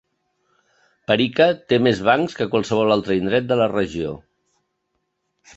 Parika té més bancs que qualsevol altre indret de la regió.